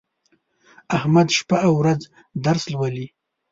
احمد شپه او ورځ درس لولي.